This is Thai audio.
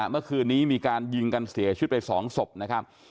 เมื่อคืนนี้มีการยิงกันเสียชีวิตไป๒ศพนะครับ